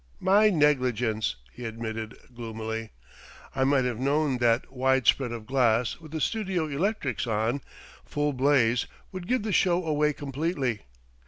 "My negligence," he admitted gloomily. "I might have known that wide spread of glass with the studio electrics on, full blaze, would give the show away completely.